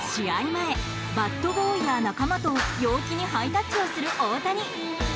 前、バットボーイな仲間と陽気にハイタッチをする大谷。